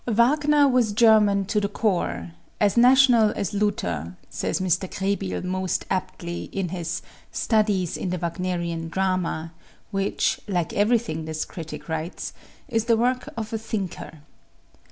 Wagner was German to the core as national as Luther, says Mr. Krehbiel most aptly, in his "Studies in the Wagnerian Drama," which, like everything this critic writes, is the work of a thinker.